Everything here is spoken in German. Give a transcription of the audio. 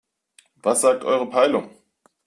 Was sagt eure Peilung?